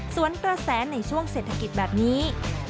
สวนกระแสในช่วงเศรษฐกิจแบบนี้